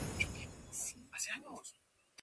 Se utiliza para almacenar líquidos, fríos o calientes.